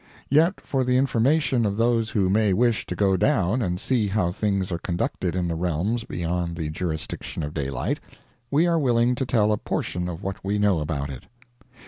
Yet, for the information of those who may wish to go down and see how things are conducted in the realms beyond the jurisdiction of daylight, we are willing to tell a portion of what we know about it.